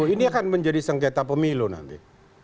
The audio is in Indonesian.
ini akan menjadi sengketa pemilu nanti